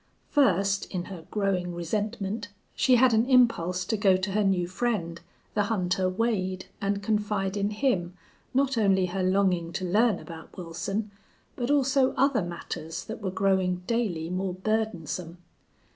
First, in her growing resentment, she had an impulse to go to her new friend, the hunter Wade, and confide in him not only her longing to learn about Wilson, but also other matters that were growing daily more burdensome.